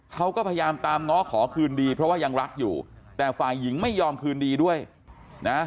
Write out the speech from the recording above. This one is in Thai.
เขาก็พยายามตามง้อขอคืนดีเพราะว่ายังรักอยู่แต่ฝ่ายหญิงไม่ยอมคืนดีด้วยนะ